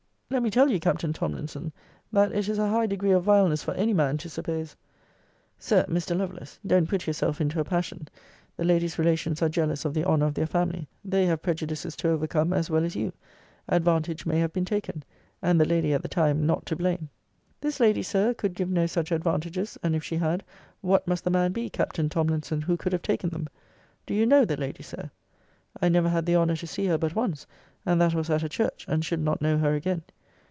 Let me tell you, Captain Tomlinson, that it is a high degree of vileness for any man to suppose Sir Mr. Lovelace don't put yourself into a passion. The lady's relations are jealous of the honour of their family. They have prejudices to overcome as well as you advantage may have been taken and the lady, at the time, not to blame. This lady, Sir, could give no such advantages: and if she had, what must the man be, Captain Tomlinson, who could have taken them? Do you know the lady, Sir? I never had the honour to see her but once; and that was at a church; and should not know her again.